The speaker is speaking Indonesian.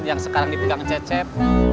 yang sekarang dipegang cecep